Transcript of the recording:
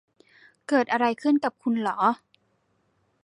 เกิดอะไรขึ้นกับคุณหรอ